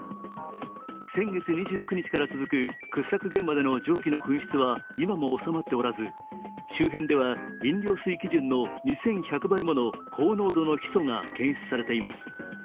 先月２９日から続く掘削現場での蒸気の噴出は今も収まっておらず周辺では飲料水基準の２１００倍もの高濃度のヒ素が検出されています。